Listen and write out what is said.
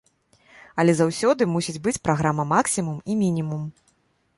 Але заўсёды мусіць быць праграма максімум і мінімум.